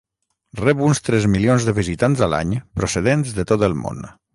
Rep uns tres milions de visitants a l'any procedents de tot el món.